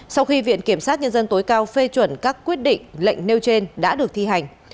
sau khi viện kiểm sát nhân dân tối cao phê chuẩn các quyết định lệnh nêu trên đã được thi hành